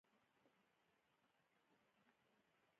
باسواده نجونې د مناظرې په سیالیو کې برخه اخلي.